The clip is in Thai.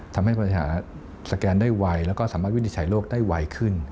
ทำให้บริหารสแกนได้ไวแล้วก็สามารถวินิจฉัยโรคได้ไวขึ้น